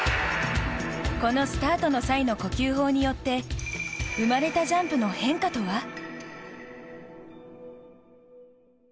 このスタートの際の呼吸法によって生まれたジャンプの変化とは？